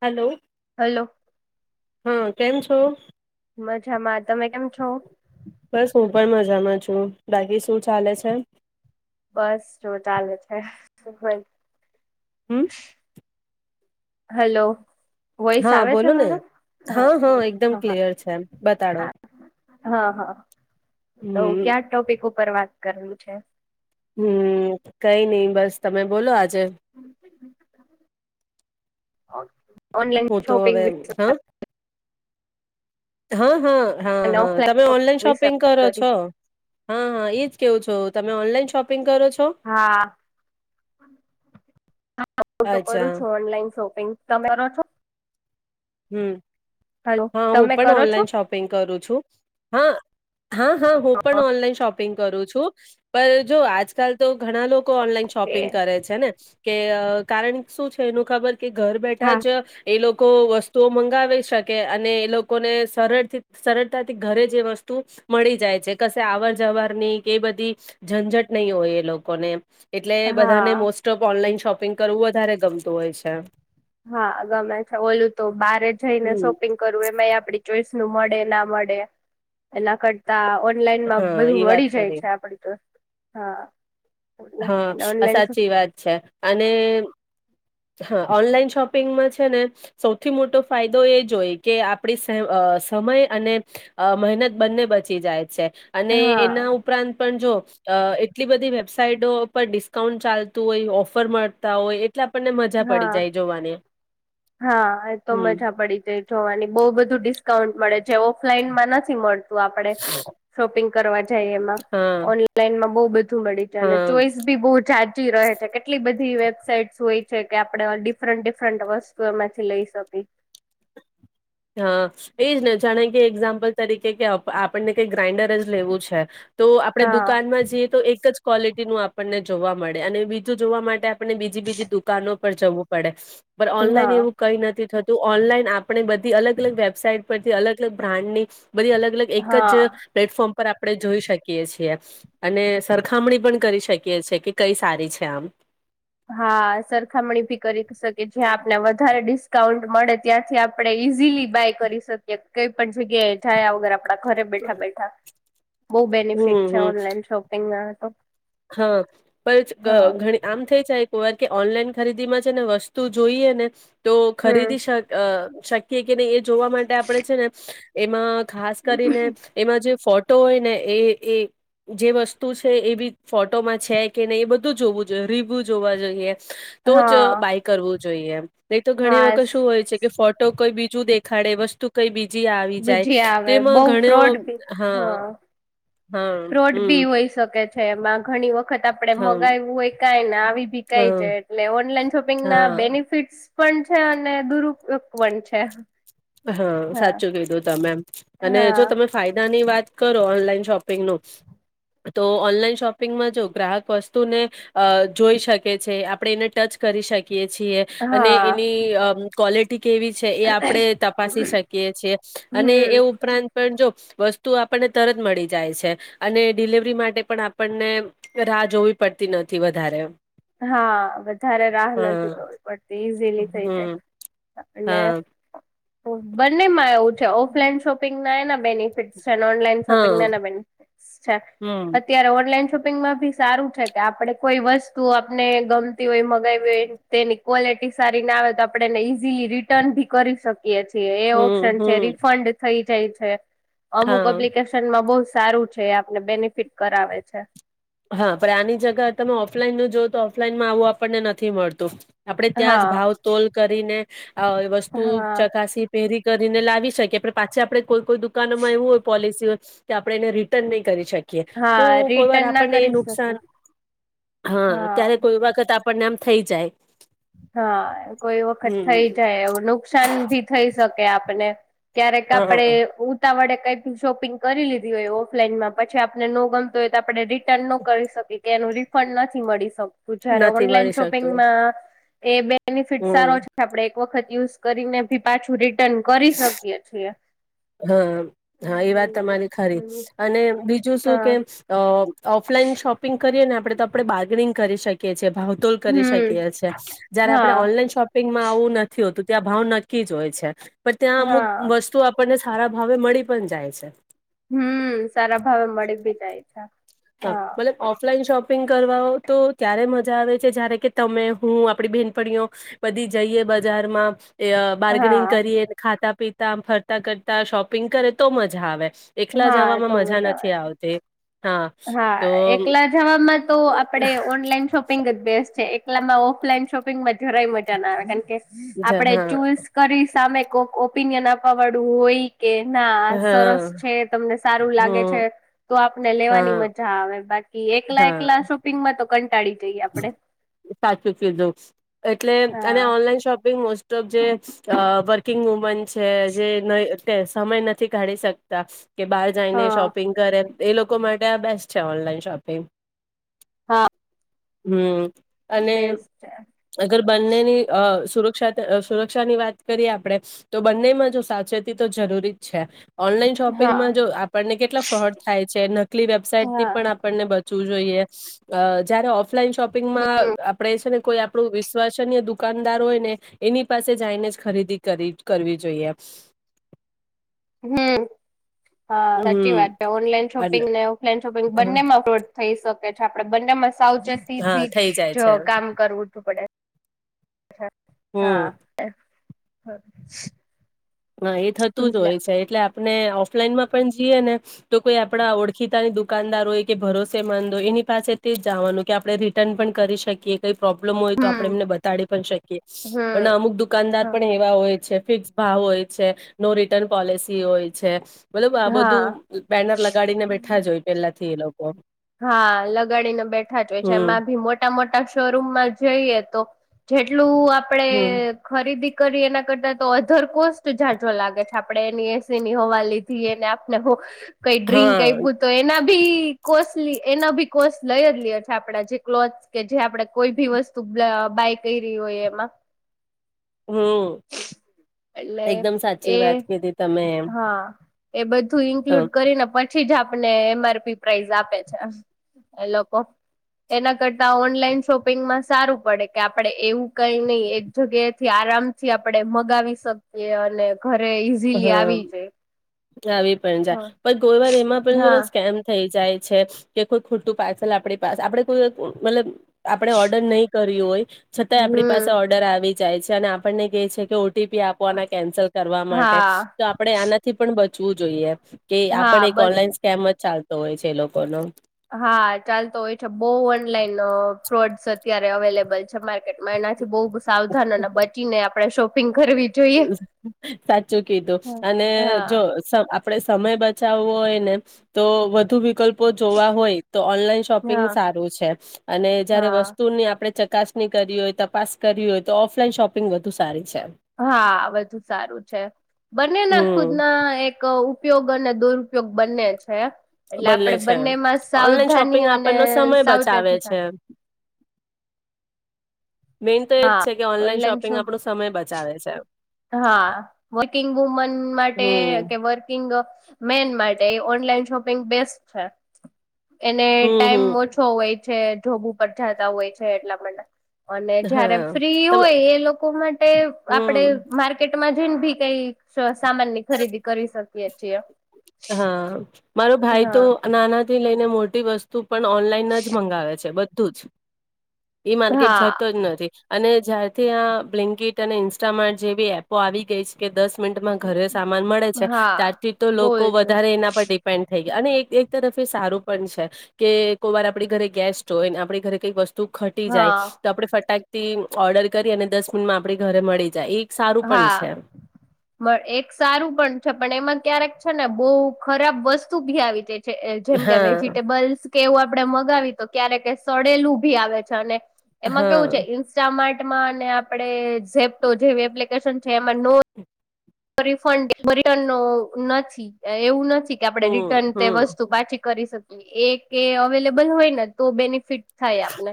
હાલો hello હા કેમ છો મજામાં તમે કેમ છો બસ હું પણ મજામાં છું બાકી શું ચાલે છે બસ જો ચાલે છે હમ [unintelligible] [inaudible] હાલો હા બોલો ને હા હા એકદમ હા ક્લિયર છે એમ બતાડો હા હા તો હમ ક્યા ટોપિક ઉપર વાત કરેલું છે હમ કઈ ની બસ તમે બોલો આજ જ [inaudible] ઓનલાઈન હું તો શોપિંગ હવે વિશે [inaudible] હા હા, હા, હા, અને હા, ઓફલાઈન તમે ઓનલાઈન વિશે શોપિંગ વાત કરો કરી છો હા, હા, ઈજ કેવું છો, તમે ઓનલાઈન શોપિંગ કરો છો હા હા, હું તો કરું અચ્છા છું ઓનલાઈન શોપિંગ તમે કરો છો હમ હલો હા, હું, તમે પણ કરો છો ઓનલાઈન શોપિંગ કરું છું હા હા, હા, હું, પણ ઓનલાઈન શોપિંગ કરું છું [unintelligible] પણ જો આજકાલ તો ઘણા લોકો ઓનલાઈન ઓકે શોપિંગ કરે છે ને. કે કારણ શું છે એનું ખબર. કે ઘર બેઠા હા જ, એ લોકો વસ્તુઓ મંગાવે છે. કે અને એ લોકોને સરળથી સરળતાથી ઘરે જ વસ્તુ મળી જાય છે કશે આવર જવર ની કે બધી, ઝંઝટ નહીં હોય એ લોકોને એમ. એટલે હા બધાને most of online shop shopping કરવું વધારે ગમતું હોય છે. હા ગમે છે ઓલું તો બાર જઈને હમ શોપિંગ કરવું એમાં એ આપણી ચોઈસ મળે ના મળે, એના કરતા ઓનલાઈનમાં હા બધું એ વાત મળી જાય કરી છે આપડી તો. હા. હા, એટલે ઓનલાઈન સાચી વાત છે અને હા ઓનલાઈન શોપિંગમાં છે ને, સૌથી મોટો ફાયદો એ જોઈ કે આપણી સમય અને મહેનત બંને બચી જાય છે. અને હા એના ઉપરાંત પણ જો. અ એટલી બધી વેબસાાઈટો પર ડિસ્કાઉન્ટ ચાલતું હોય ઓફર મળતા હોય એટલા આપણને મજા હા પડી જાય જોવાની. હા એ તો હમ મજા પડી જઈ જોવાની બહ બધુ ડી આઉન્ટ મળે જે ઓફલાઈન માં નથી મળત આપણે શોપિંગ કરવા જઈ એમાં, હા ઓનલાઈન બો બધી મળી છે અને હા ચોઈસ ભી બહુ જાચી રહે છે કેટલી બધી વેબસાઇટ હોય છે કે આપડ ડિફરન્ટ ડિફરન્ટ વસ્ત માંથી લઈ શકી છે. હા, એજ ને જાણે કે એમ તરીકે કે આપણને કઈ ગ્રાઇન્ડર જ લેવું છે, તો આપણેે હા દુકાનમાં જઈએ તો એક જ ક્વોલિટી નું આપણને જોવા મળે અને બીજું જોવા માટે આપને બીજી બીજી દુકાનો પર જવું પડે. પણ ઓનલાઈન હા એવું કઈ નથી થતું. ઓનલાઈન આપણે બધ અલગ અલગ વેબસાઈટ પરથી અલગ અલગ બ્રાન્ડની. બધી અલગ અલગ એક હા જ, પ્લેટફોર્મ પર આપણે જોઈ શકીએ છીએ અને સરખામણી પણ કરી શકીએ છીએ, કે કઈ સારી છે આમ. હા, સરખામણી ભી કરી શકે જ્યાં આપને વધારે ડિસ્ક કાઉન્ટ મળે ત્યાંથી આપડણે ઇઝીલી બાય કરી શકીએ. કઈ પણ જગ્યા છાયા વગેર આપણા ઘરે બેઠા બેઠા. બઉુ બેનિફિટ હમ છે હમ ઓનલાઈન શોપિંગમાં. [unintelligible] હા, પણ ઘણી આમ થઈ જાય. કો વાર કે ઓનલાઈન ખરીદી માં છે ને વસ્તુ જોઈએ ને. તો હમ ખરીદી શક શક કે નહી એ જોવા માટે આપડે છે ને. એમાં. ખાસ કરીને એમાં જે ફો તો હોય ને એ એ જે વસ્તુ છે એવી ફોટોમાં છે કે નહી, એ બધું જોવું જોઈએ રીવ્યુ જોવા જોઈએ. તો જ હા બાય કરવું જોઈએ. એ તો ઘણી હા વખત શું હોય છે, કે ફોટો કોઈ બી દુ દેખાડે વસ્તુ કઈ બીજ બીજી આવી જાય બીજી આવે તેમાં બઉ ઘણ ફ્રોડ બી હા હા ફ્રોડ હમ બી હોઈ શકે છે, એમાં ઘણી વખત આપણે હમ મગાયુ હોય કાઈ ને આવી ભી કાઈ હા જાય, એટલે ઓનલાઈન શોપિંગ ના હા બેનિફિટ્સ [unintelligible] છે અને દુરુપયોગ પણ છે હા, સાચું કીધું તમે એમ. અને હા જો તમે ફાયદા ની વાત કર તો ઓનલાન શોપિંગનુ, તો ઓનલાઈન શોપિંગમાં જો ગ્રાહક વસ્તુને અ જોઈ શકે છે, આપણે એને ટચ કરી શક કીએ છીએ અને હા એની કોલ કેવી છે એ આપડે તપાસી હમ શકીએ છીએ અને એ ઉપરાંત પણ જો વસ્તુ આપણને તરત મળી જાય છે અને ડિલવરી માટે પણ આપણને રાહ જોવી પડતી નથી વધારે. હા, વધારે રાહ હા નથી થવી પડતી ઈઝીલી હમ થઈ ને હા બંનેમાં ઓફલાઈન શોપિંગ ના એને બેનિફિટ છે ન ઓનલાઈન હા શોપિંગ ના એન બેનફિટ. છે. હમ અત્યારે ઓનલાઈન શોપ શોપિંગ માં ભી સારું છે કે આપડે કોઈ વસ્ત તું આપને ગમતી હોય, મગાવી હોય, તેની ક્વોલિટી સારી ના આવે તો આપણે એને ઇઝીલી રિટર્ન ભી કરી શકીએ. છીએ એ હમ ઓપ્શન હમ છે રિફંડ થઈ જઈ છે. અમુક હા એપ્લિકેશન માં બહુ સારું છે. આપને બેનિફિટ કરાવે છે. હા, પણ આની જગ્યા તમે ઓફલાઈન ન જો તો ઓફલાઈનમાં આવું આપણને નથી મળતું. આપડે ત્યાં જ હા ભાવ તોલ કરીને અ વસ્તુ હા ચકાસી પહેરી. કરીને લાવી શકીએ પણ પાછી આપણે કોઈ કોઈ દુકાનમાં એવું હોય પોલિસી હોય કે આપણે એને રિટર્ન નહીં કરી શકી. એ તો હા કોઈ વાર રિટર્ન આપ ના આપણને એ કરી નુકસાન, શકું હા ત્યારે કોઈ વખત આપ પરિણામ થઈ જાય. હા, કોઈ વખત હમ થઈ જાય એવું નુકસાન ભી થઈ શકે આપને. ક્યારેક આપડે હ ઉતાવળે કઈ શોપિંગ કરી લીધી હોય ઓફલાઈનમાં પછી આપને ન ગમતું હોય તો આપણે રિટર્ન ન કરી શકીએ કે એનું રિફંડ નથી મળી શકતો. બુ જારે નથી ઓનલાઈન મળી શકતું શોપિંગમાં એ બે બેનિફિટ હમ સારો છે આપડે વખત યુઝ કરીને ભી પાછું રીટ ન કરી શકીએ છીએ હા, હા, એ વાત તમારી ખરી અને બીજું શું હા કે ઓફલાઈન શોપિંગ કરીએ ને આપ તો આપણે બારગેનિંગ કરી શકીએ છીએ ભાવતોલ કરી હમ શકીએ છીએ જયારે આપણે હા ઓનલાઈન શોપિંગમાં આવું નથી હોતું ત્યાં ભાવ નક્કી જ હોય છે પણ ત્યાં અમુક હા વસ્તુ આપ ને સારા ભાવે મળી પણ જાય છે. હમ સારા ભાવે મળી બી જાય છે. હા મતલબ ઓફ લા ન શોપિંગ કરવાો તો ત્યારે મજા આવે છે જારે કે તમે હું આપડી બેહેનપણીઓ, બધી જઈએ બજારમાં. બાર્ગનિંગ હા કરીએ ખાતા પીતામ ફરતા કરતા શોપિંગ કરે તો મજા આવે. એકલા હા જવામાં તો મજા નથી આવે આવતી. હા તો એકલા જવાબમાં તો આપડે ઓનલાઈન શોપિંગ જ બેસ્ટ છે. એટલામાં ઓફલાઈન શોપિંગ માં જોરાય મજા ના આવે કારણ કે જ આપડે હા ચુઝ કરી સામે ઓપિનિયન આપવાડું હોય. કે ના આ સરસ હા છે તમને સારું લાગે છે, હમ તો આપને લેવાની હા મજા આવે બાકી એકલા હા એકલા શોપિંગમાં તો ક સાચું કીધું એ એટલે અને હા ઓનલાઈન શોપિંગ મોસ્ટ તો જે વર્કિંગ વુમન છે, જે સમય નથી કાઢી શકતા. કે બહાર જઈને હા શોપિંગ કરે. એ લોકો માટે આ બેસ્ટ છે ઓનલાઈન શોપિંગ. હા. હમ. અને બેસ્ટ છે અગર બંનેની અ સુરક્ષા સુરક્ષા ની વાત કરીએ આપડણે, તો બંનેમાં જો સાવચેતી તો જરૂરી જ છે. ઓનલાઈન હા શોપિંગમાં જો આપણને કેટલા ફ્રોડ થાય છે નકલી વેબસાઇટ થી હા પણ આપણને ું જોઈએ જ્યારે ઓફલાઈન શોપિંગમાં આપણે છે ને કોઈ આપણું વિશ્વસનીય દુકાનદાર હોય ને, એની પાસે જઈને જ ખરીદી કરવી જોઈએ. હમ. હા સાચી વાત હમ છે ઓનલાઈન અન શોપિંગ ને ઓફલાઈન બંનેમાં ખો થઈ શકે છે આપડે બંને મ સાવચેતી હા થી થઈ જાય જ છે કામ કરવું તું પડે. હા. હમ હ હ, એ થતું જ હોય છે એટલે આપણે ઓફલાઈનમાં પણ જઈએ ને તો કોઈ આપણા ઓળખીતાની દુકાનદાર હોય કે ભરોસેમંદ હોય એની પાસે તે જવાનું કે આપણે રિટર્ન પણ કરી શકીએ કઈ પ્રોબ્લેમ હોય તો આપણેે હમ એમને બતાડી પણ શકીએ અને હમ અમુક દુકાનદાર પણ એવા હોય છે ફિક્સ ભાવ હોય છે નો રિટર્ન પોલિસી હોય છે ભલે આ હા બધું બેનર લગાડી ને બેઠા જ હોય પેલા એ લોકો હા, લગાડીને બેઠા તો છે હમ એમાં ભી મોટા, મોટા શોરૂમમાં જઈએ તો જેટ ટલું આપડે હમ ખરીદી કરી એના કરતા તો અધર કોસ્ટ જાજો લાગે છે આપણે એની એસી ની હવા લીધીને આપણે કઈ ડ્ર્રીંક હા આપ્યુ તો એના બી, કોસ એના બી કોસ્ટ લઈ જ લએ છે આપડા જે ક્લોથસ કે જે આપણેે કોઈ બી વસ્તુ બાય કરી હોય એમાં હમ, એટલે એકદમ સાચી એ વાત કીધી તમે એમ હા એ બધું ું હ ઇન્ક્લુડ કરીને પણ પછી જ આપને એમઆરપી પ્રાાઈઝ આપે છે એ લોકો એના કરતા ઓનલાઈન શોપિંગમાં સારું પડે કે આપડે એવું કઈ નહી એક જગ્યા થી આરામથી આપણે મગાવી શકીએએ અને ઘરે ઇઝીલી આવે. હ વી જાય. આવી પણ જાય પણ ગોરવાર એમાં પણ હા જો સ્કેમ થઈ જાય છે કે કો ખોટું પાર્સલ આપણી પાસે આપે કોઈ મતલબ આપણે ઓર્ડર નહી કર્યું હોય છતાંય આપણી પાસે હમ ઓર્ડર આવી જાય છે અને આપણને ક છે કે ઓટીપી આપવાના કેન્સલ કરવા માટે હા તો આપણેે આનાથી પણ શું જોઈએ કે આપણે હા એક બસ ઓનલાઈન સ્કેમ જ ચાલતો હોય છે તે લોકો નો હા ચાલતો હોય છે બહુ ઓનલાઈન ફ્રોડ્સ અત્યારે અવેલેબલ છે મારકેટ એનાથી બહુ સાવધાન અને બચીને આપણે શો સાચું કીધું હા અને હા જો સબ આપણે સમય બચાવવો હોય ને તો વધુ વિકલ્પ જોવા હોય તો ઓનલાઈન શોપિંગ હા સારું છે અને જયારે હા વસ્તુની આપણે ચક ચકાસની કરી હોય તપાસ કરી હોય તો ઓફલાઈન શોપિંગ વધુ સારી છે હા વધુ સારું છે બંને ના હમ ખુદના એક ઉપયોગ અને દુરુપયોગ બંને છે એટલે બદને આપડે છે બંનેમાં ઓનલાઈન સાવધાની શોપિંગ અને આપણનો સમય બચાવે સાવચેતી થા છે મેઈન તો એજ હા છે કે ઓનલાઈન શોપિંગ શોપ આપણો સમય બચાવે મચાવે છે હા વર્કિંગ વુમન માટે હમ કે વર્કિંગ અ મેન માટે ઓનલાઈન શોપિંગ બેસ્ટ છે એને હમ ટાઈમ હમ ઓછો હો હોય છે જોબુ પર જતા હોય છે એટલા માટે અને જયારે હા ફ્રી તમે હોય એ લોકો માટે આપડે હમ માર્કેટમાં જઈને ભી કઈ સામાનની ખરીદી કરી શકીય છીએ હા મારો ભાઈ તો હા નાના થી લઈને મોટી વસ્તુ પણ ઓનલાઈન જ મંગાવે છે તો જ ઈ માર્કેટ હા જતો જ નથી અને જયારથી આ બ્લિન્કીટ અને ઇન્સ્ટામાર્ટ જેવી એપો આવી ગઈ છે કે દસ મિમાં ઘરે સામાન મળે છે હા ત્યારથી તો લોક બોલ વધારે એના પર ડિપેન્ડ થઈ અને એક તરફ એ સારું પણ છે કે કોઈ વાર આપડી ઘરે ગેસ્ટ હોય ને આપણી ઘરે કઈક વસ્તુ તું ખટી જાય હા તો આપડે ફટાક તે ઓર્ડર કરી અને દસ મિનિટમાં આપણે ઘરે મળી જાય એક સારું પણ હા, છે એક સારું પણ છે. પણ એમાં ક્યારેક. છે ને બહુ ખરાબ વસ્તુ ભી આવી તે. જેમ કે હા વેજીિટેબલ્સ. કે એવું આપડે મગાવી તો ક્યારે કે સડેલું ભી આવે છે અને. એમાં હા કેવું છે ઇન્સ્ટા માટે. [unintelligible] [inaudible] [unintelligible] આપણે હમ રિટર્ન તે હમ વસ્તુ પાછી. કરી શકએ અવેલેબલ હોય ને તો બેનિફિટ. થાય આપને.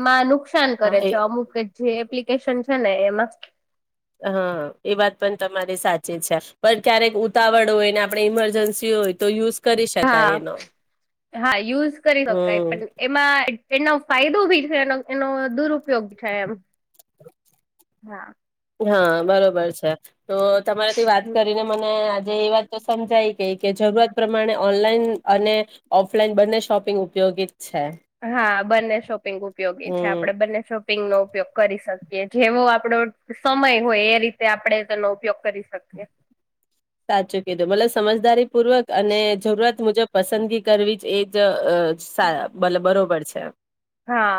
એમાંનું. નુકસાન હા કરે એ છે, અમુક જે એપ્લ. વકેશન છે ને એમાં. હા, એ વાત પણ તમારી સાચી છે. પણ ક્યારેક ઉતાવળ હોય ને આપણે ઈમરજન્સી હોય તો યુઝ. કરી હા શકાય એનો હા, યુઝ કરી શકાય પણ હમ એમાં. એનો ફાયદો ભી છે. એનો એનો દુરુપયોગી થાય એમ હા. હા બરોબર છે. તો તમારાથી વાત કરીને મને. જે એ વાત તો સમજાઈ ગઈ કે, જરૂરત પ્રમાણે ઓનલાઈન અને ઓફલાઈન બંને શોપિંગ ઉપયોગી. છે હા, બંને શોપિંગ ઉપયોગી છે. હમ આપડે બંને શોપિંગ નો ઉપયોગ કરી શકી. કે જેવો આપડો સમય હોય. એ રીતે આપણે તેનો ઉપયોગ કરી શકીએ. ચકી મતલબ સમજદારી. પૂર્વક અને જરૂરત મુજબ. પસંદગી કરવી જ એ જ. અ સા બરોબર. અચ્છા! હા,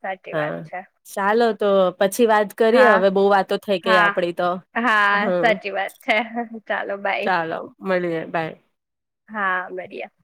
સાચી વાત હા છે. ચાલો તો. પછી વાત કરીએ. હા હવે બહુ વાતો થઈ ગઈ હા આપડી તો, હમ. હ ચાલો બાય. મલીએ બાય. હા મળીયા.